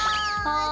はい。